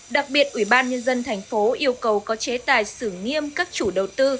đặc biệt ubnd thành phố yêu cầu có chế tài xử nghiêm các chủ đầu tư